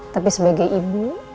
tapi sebagai ibu